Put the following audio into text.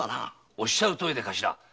おっしゃるとおりですがね